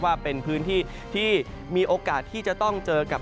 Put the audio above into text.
ว่าเป็นพื้นที่ที่มีโอกาสที่จะต้องเจอกับ